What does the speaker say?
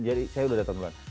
jadi saya udah dateng duluan